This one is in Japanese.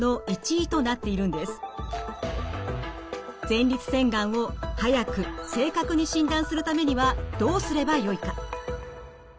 前立腺がんを早く正確に診断するためにはどうすればよいか。